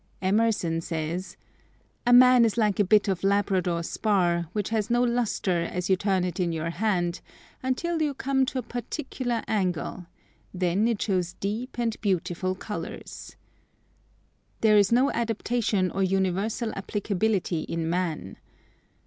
Emerson says: "A man is like a bit of Labrador spar, which has no lustre as you turn it in your hand, until you come to a particular angle; then it shows deep and beautiful colors." There is no adaptation or universal applicability in man.